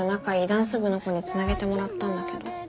ダンス部の子につなげてもらったんだけど。